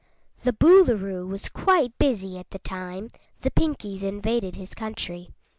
The Boolooroo was quite busy at the time the Pinkies invaded his country.